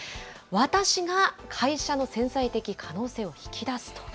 私が会社の潜在的可能性を引き出すと。